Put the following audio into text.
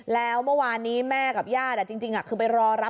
แล้วเมื่อวานนี้แม่กับญาติจริงคือไปรอรับ